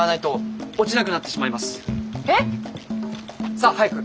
さあ早く！